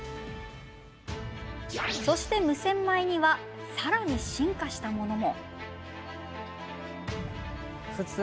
そして無洗米にはさらに進化したものも。